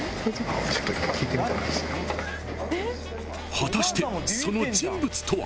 ［果たしてその人物とは？］